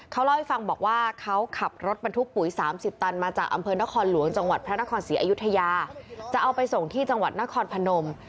เขาเล่าให้ฟังบอกว่าเขาขับรถบรรทุกปุ๋ย๓๐ตันมาจากอำเภอนครหลวงจังหวัดพระนครศรีอยุธยาจะเอาไปส่งที่จังหวัดนครพนม